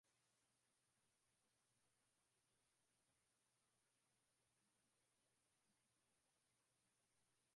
na badala yake kusisitiza kuwa ataendelea na juhudi zake za kupigania demokrasia nchini mynmar